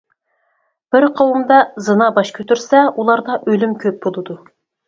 بىر قوۋمدا زىنا باش كۆتۈرسە ئۇلاردا ئۆلۈم كۆپ بولىدۇ.